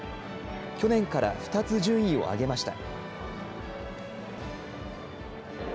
去年から２つ順位を上げました。